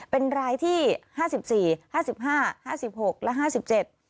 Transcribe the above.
เป็นรายที่ห้าสิบสี่ห้าสิบห้าห้าสิบหกและห้าสิบเจ็ด